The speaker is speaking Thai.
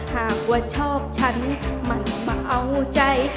หากว่าชอบฉันมันมาเอาใจ